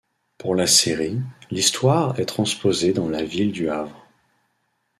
Pour la série, l'histoire est transposée dans la ville du Havre.